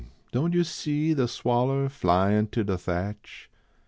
Doan yo see de swaller flyin to de thatch?